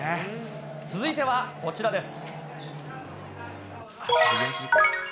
続いてはこちらです。